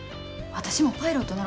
私もパイロットなろ。